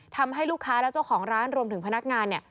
ทำให้ลูกค้าและเจ้าของร้านรวมถึงพนักงานเนี่ย